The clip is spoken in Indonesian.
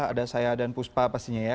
ada saya dan puspa pastinya ya